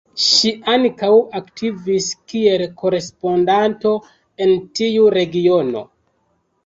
Ŝi ankaŭ aktivis kiel korespondanto en tiu regiono.